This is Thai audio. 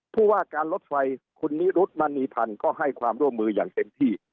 ผู้ว่าการรถไฟคุณนิรุธมณีพันธ์ก็ให้ความร่วมมืออย่างเต็มที่